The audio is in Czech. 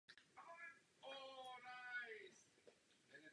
Tento model byl v mnohém odlišný od prvního.